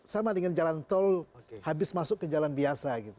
sama dengan jalan tol habis masuk ke jalan biasa gitu